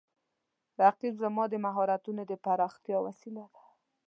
رقیب زما د مهارتونو د پراختیا وسیله ده